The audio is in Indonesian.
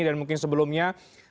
dan mungkin sebelumnya